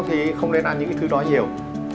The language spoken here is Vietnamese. thì không nên ăn những cái thứ đó nhiều